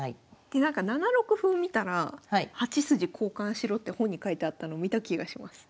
でなんか７六歩を見たら８筋交換しろって本に書いてあったの見た気がします。